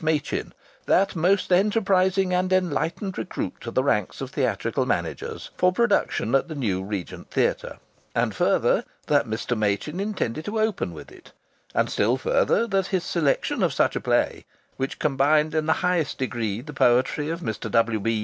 Machin ("that most enterprising and enlightened recruit to the ranks of theatrical managers") for production at the new Regent Theatre. And further that Mr. Machin intended to open with it. And still further that his selection of such a play, which combined in the highest degree the poetry of Mr. W.